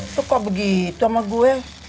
itu kok begitu ama gua